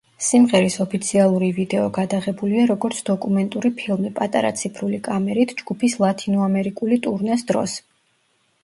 სიმღერის ოფიციალური ვიდეო გადაღებულია როგორც დოკუმენტური ფილმი, პატარა ციფრული კამერით ჯგუფის ლათინოამერიკული ტურნეს დროს.